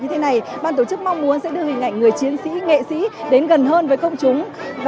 hình ảnh sẽ đưa hình ảnh người chiến sĩ nghệ sĩ đến gần hơn với công chúng